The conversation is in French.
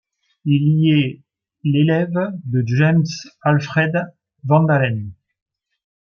Il y est l'élève de James Alfred Van Allen.